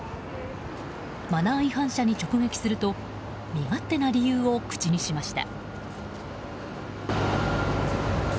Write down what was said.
マナー違反者に直撃すると身勝手な理由を口にしました。